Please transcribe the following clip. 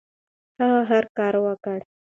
هغه هر کار وکړ.